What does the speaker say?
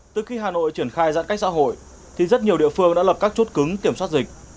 từ khi hà nội triển khai giãn cách xã hội thì rất nhiều địa phương đã lập các chốt cứng kiểm soát dịch